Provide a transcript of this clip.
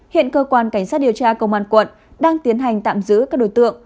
hiện cơ quan cảnh sát điều tra công an quận đang tiến hành tạm giữ các đối tượng